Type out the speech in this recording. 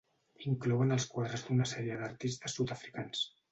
Inclouen els quadres d'una sèrie d'artistes sud-africans.